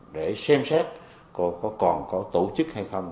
để xem xét còn có tổ chức hay không